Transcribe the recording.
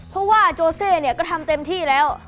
เพราะว่าโจเซเนี่ยก็ทำเต็มที่แล้ว